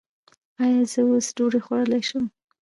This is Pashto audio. ایا زه اوس ډوډۍ خوړلی شم؟